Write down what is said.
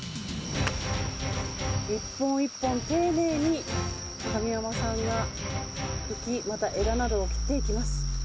一本一本丁寧に、神山さんが茎、また枝などを切っていきます。